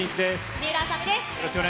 水卜麻美です。